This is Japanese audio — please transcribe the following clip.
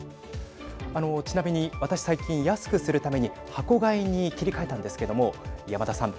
あの、ちなみに私最近安くするために箱買いに切り替えたんですけども山田さん。